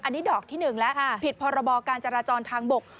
อันนี้ดอกที่หนึ่งแล้วค่ะผิดพรบอการจราจรทางบก